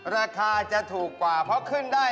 ราคาจะถูกกว่าเพราะขึ้นได้